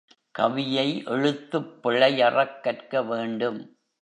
கவியை எழுத்துப் பிழையறக் கற்க வேண்டும்.